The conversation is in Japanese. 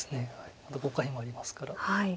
あと５回もありますから。